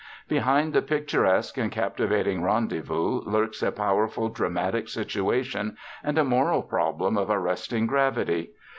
Behind the picturesque and captivating rendezvous lurks a powerful dramatic situation and a moral problem of arresting gravity.